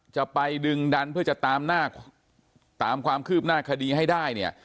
จะไปดึงดันเพื่อจะตามความคืบหน้าคดีให้ได้เนี่ย